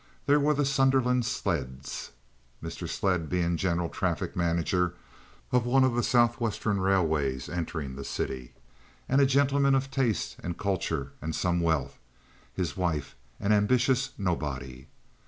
There were the Sunderland Sledds, Mr. Sledd being general traffic manager of one of the southwestern railways entering the city, and a gentleman of taste and culture and some wealth; his wife an ambitious nobody.